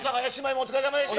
お疲れさまでした。